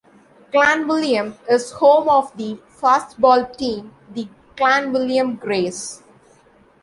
Clanwilliam is home of the Fastball team the Clanwilliam Greys.